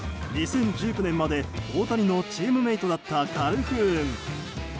２０１９年まで大谷のチームメートだったカルフーン。